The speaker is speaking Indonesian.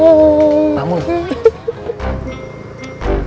pada saat ini pak multe sudah berhenti